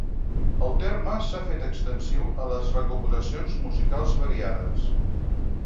El terme s'ha fet extensiu a les recopilacions musicals variades.